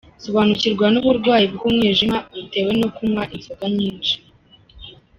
Sobanukirwa n’uburwayi bw’umwijima butewe no kunywa inzoga nyinshi